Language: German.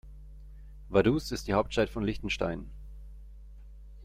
Vaduz ist die Hauptstadt von Liechtenstein.